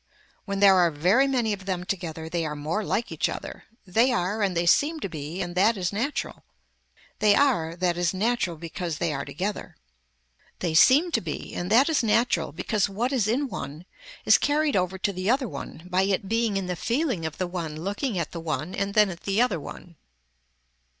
When there are very many of them together they are more like each other, they are and they seem to be and that is natural. They are, that is natural because they are together. They seem to be, and that is natural because what is in one is carried over to the other one by it being in the feeling of the one looking at the one and then at the other one.